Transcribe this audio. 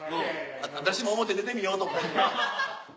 私も表出てみようとか。